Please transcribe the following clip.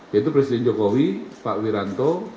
yaitu presiden jokowi pak wiranto